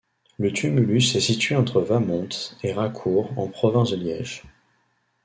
Le tumulus est situé entre Wamont et Racour en province de Liège.